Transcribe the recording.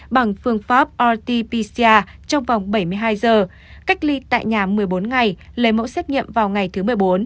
bằng phương pháp rt pcr trong vòng bảy mươi hai giờ cách ly tại nhà một mươi bốn ngày lấy mẫu xét nghiệm vào ngày thứ một mươi bốn